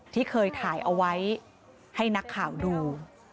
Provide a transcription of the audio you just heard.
ที่เคยถ่ายเอาไว้ให้นักข่าวดู